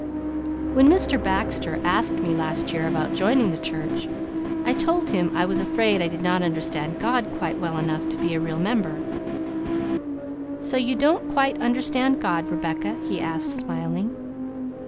When Mr. Baxter asked me last year about joining the church, I told him I was afraid I did not understand God quite well enough to be a real member. "So you don't quite understand God, Rebecca?" he asked, smiling.